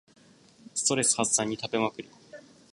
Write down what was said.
ストレス発散に食べまくる